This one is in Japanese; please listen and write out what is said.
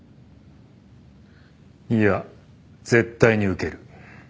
いや絶対にウケる